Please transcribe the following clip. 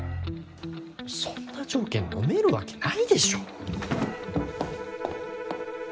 そんな条件のめるわけないでしょ。